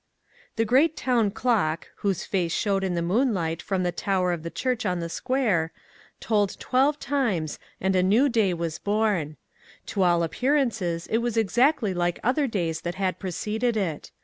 THE great town clock, whose face showed in the moonlight from the tower of the church on the square, tolled twelve times and a new day was born. To all appear ances it was exactly like other days that had preceded it.